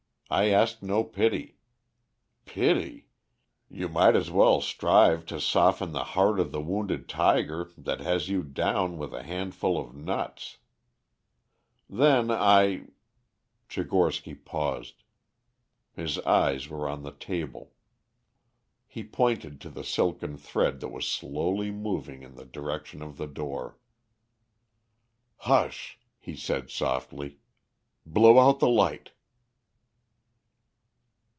I asked no pity. Pity! You might as well strive to soften the heart of the wounded tiger that has you down with a handful of nuts. Then I " Tchigorsky paused. His eyes were on the table. He pointed to the silken thread that was slowly moving in the direction of the door. "Hush!" he said softly. "Blow out the light."